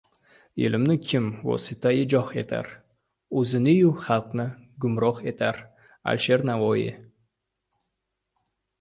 Ilmni kim vositayi joh etar, O‘ziniyu xalqni gumroh etar. Alisher Navoiy